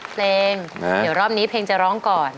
เพลงเดี๋ยวรอบนี้เพลงจะร้องก่อน